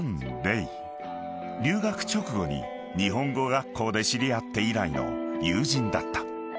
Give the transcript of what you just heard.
［留学直後に日本語学校で知り合って以来の友人だった］